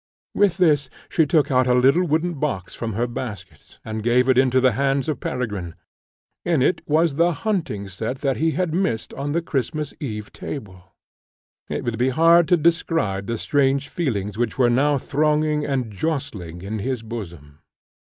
With this she took out a little wooden box from her basket, and gave it into the hands of Peregrine. In it was the hunting set that he had missed on the Christmas eve table. It would be hard to describe the strange feelings which were now thronging and jostling in his bosom.